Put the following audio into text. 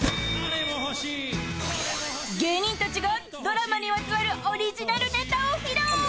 ［芸人たちがドラマにまつわるオリジナルネタを披露！］